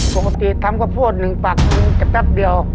ปกติทำข้าวโพดหนึ่งปากหนึ่งจะแป๊บเดียว